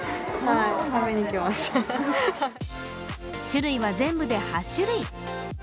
種類は全部で８種類。